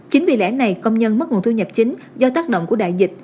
chính vì lẽ này công nhân mất nguồn thu nhập chính do tác động của đại dịch